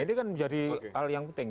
ini kan menjadi hal yang penting